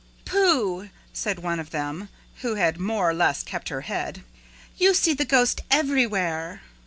"Pooh!" said one of them, who had more or less kept her head. "You see the ghost everywhere!"